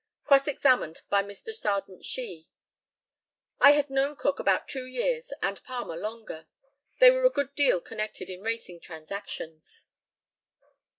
Cross examined by Mr. Serjeant SHEE. I had known Cook about two years, and Palmer longer. They were a good deal connected in racing transactions.